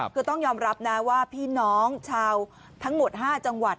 คือต้องยอมรับนะว่าพี่น้องชาวทั้งหมด๕จังหวัด